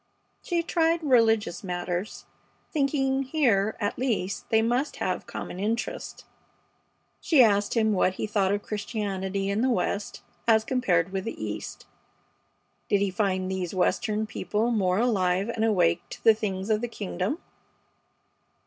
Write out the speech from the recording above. She tried religious matters, thinking that here at least they must have common interests. She asked him what he thought of Christianity in the West as compared with the East. Did he find these Western people more alive and awake to the things of the Kingdom?